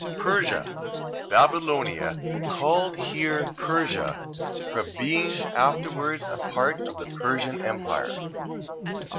Persia... Babylonia, called here Persia, from being afterwards a part of the Persian empire.